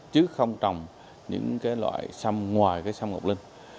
chứ không trồng những loại sâm ngọc linh